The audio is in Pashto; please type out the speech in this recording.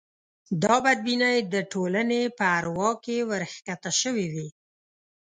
دا بدبینۍ د ټولنې په اروا کې ورکښته شوې وې.